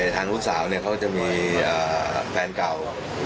ทางลูกสาวเขาจะมีแฟนเก่า